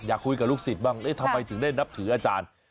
อยากคุยกับลูกศิษย์บ้างเอ๊ะทำไมถึงได้นับถืออาจารย์